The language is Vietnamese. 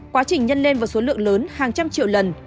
quá trình nhân lên vào số lượng lớn hàng trăm triệu lần